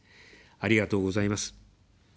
ありがとうございます。